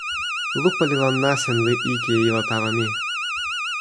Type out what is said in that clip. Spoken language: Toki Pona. lupa li lon nasin li ike e ilo tawa mi.